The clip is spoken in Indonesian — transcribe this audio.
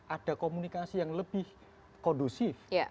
ada komunikasi yang lebih kondusif